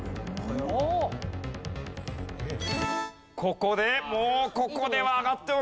ここでもうここでは上がっておきたい。